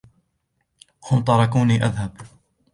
هُم تركوني أذهب.